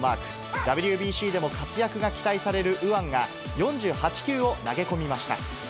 ＷＢＣでも活躍が期待される右腕が、４８球を投げ込みました。